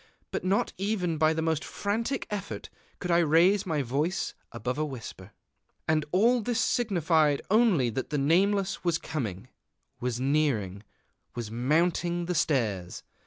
But not even by the most frantic effort could I raise my voice above a whisper.... And all this signified only that the Nameless was coming, was nearing, was mounting the stairs.